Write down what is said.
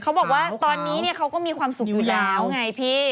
เขาบอกว่าตอนนี้เขาก็มีความสุขอยู่แล้วไงพี่